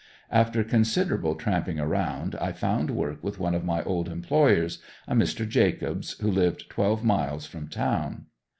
After considerable tramping around I found work with one of my old employers, a Mr. Jacobs, who lived twelve miles from town.